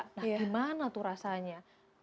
nah gimana tuh rasanya